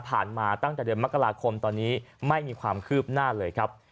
มาตั้งแต่เดือนมกราคมตอนนี้ไม่มีความคืบหน้าเลยครับ